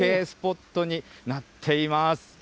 スポットになっています。